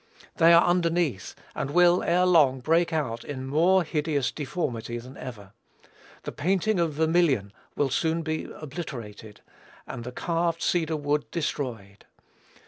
They are underneath, and will, ere long, break out in more hideous deformity than ever. The painting of vermilion will soon be obliterated, and the carved cedar wood destroyed.